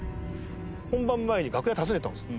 本番前に楽屋訪ねたんですよ。